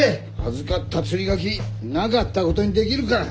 預かった釣書なかったことにできるか！